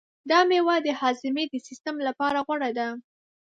دا مېوه د هاضمې د سیستم لپاره غوره ده.